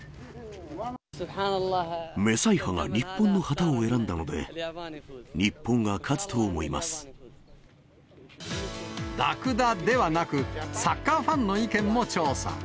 メサイハが日本の旗を選んだラクダではなく、サッカーファンの意見も調査。